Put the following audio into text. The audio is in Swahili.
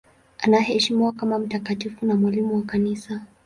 Anaheshimiwa kama mtakatifu na mwalimu wa Kanisa.